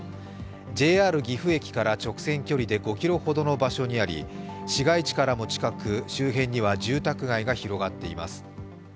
ＪＲ岐阜駅から直線距離で５ｋｍほどの場所にあり、市街地からも近く、周辺には住宅街が広がっています。